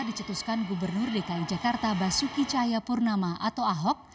dicetuskan gubernur dki jakarta basuki cahaya purnama atau ahok